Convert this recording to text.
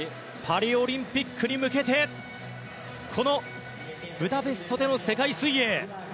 パリオリンピックに向けてこのブダペストでの世界水泳